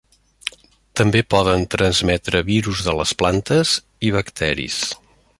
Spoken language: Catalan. També poden transmetre virus de les plantes i bacteris.